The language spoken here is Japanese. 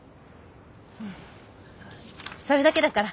それだけだから。